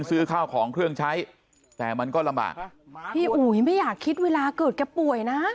ซื้อข้าวของเครื่องใช้แต่มันก็ลำบากพี่อุ๋ยไม่อยากคิดเวลาเกิดแกป่วยนะ